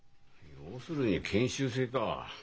要するに研修生か。